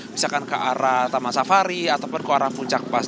misalkan ke arah taman safari ataupun ke arah puncak pas